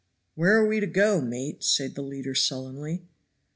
"Where are we to go, mate?" said the leader sullenly.